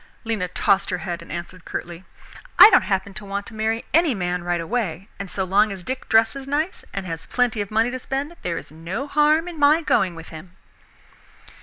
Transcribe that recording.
Lena tossed her head and answered curtly, "I don't happen to want to marry any man right away, and so long as Dick dresses nice and has plenty of money to spend, there is no harm in my going with him."